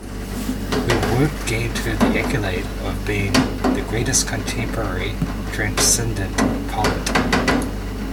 Her work gained her the accolade of being "the greatest contemporary transcendent poet".